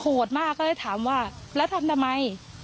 มากก็เลยถามว่าแล้วทำทำไม